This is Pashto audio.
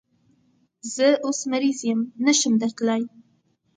زه اوس مریض یم، نشم درتلای